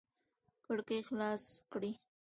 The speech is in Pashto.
کړکۍ خلاص کړئ